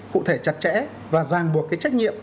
cụ thể chặt chẽ và giang buộc cái trách nhiệm